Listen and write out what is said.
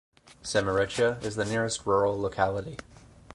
Semirechye is the nearest rural locality.